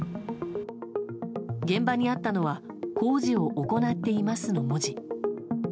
現場にあったのは「工事を行っています」の文字。